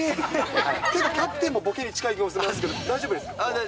キャプテンもボケに近いと思うんですけど、大丈夫ですか？